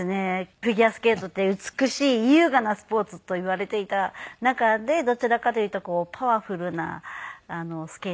フィギュアスケートって美しい優雅なスポーツといわれていた中でどちらかというとパワフルなスケーターだったので。